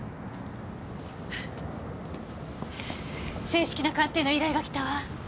正式な鑑定の依頼がきたわ。